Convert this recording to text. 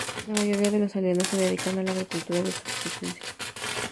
La mayoría de los aldeanos se dedican a la agricultura de subsistencia.